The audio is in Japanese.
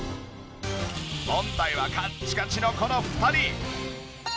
問題はカッチカチのこの２人。